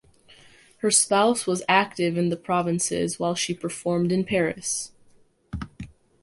Her spouse was active in the provinces while she performed in Paris.